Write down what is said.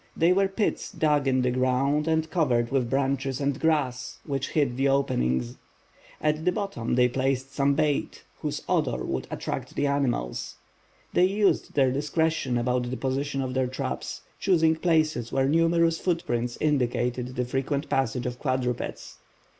They were pits dug in the ground and covered with branches and grass, which hid the openings. At the bottom they placed some bait, whose odor would attract the animals. They used their discretion about the position of their traps, choosing places where numerous footprints indicated the frequent passage of quadrupeds.